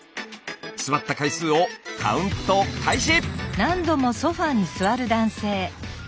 座った回数をカウント開始！